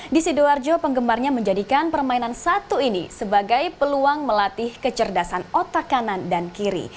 di sidoarjo penggemarnya menjadikan permainan satu ini sebagai peluang melatih kecerdasan otak kanan dan kiri